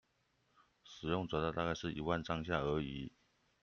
使用者大概是一萬上下而已